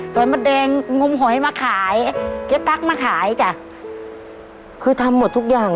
มดแดงงมหอยมาขายเจ๊ตั๊กมาขายจ้ะคือทำหมดทุกอย่าง